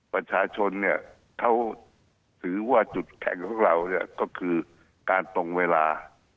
ประชาชนเนี่ยเขาถือว่าจุดแข่งของเราเนี่ยก็คือการตรงเวลา